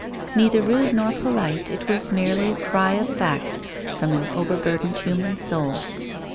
Neither rude nor polite, it was merely a cry of fact from an overburdened human soul.